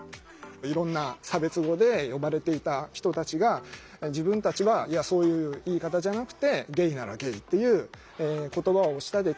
いろんな差別語で呼ばれていた人たちが自分たちはそういう言い方じゃなくてゲイならゲイっていう言葉を仕立てて。